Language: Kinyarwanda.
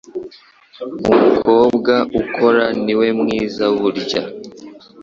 umukobwa ukora niwe mwiza burya